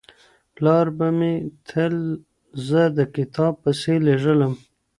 پلار به مې تل زه د کتاب پسې لېږلم.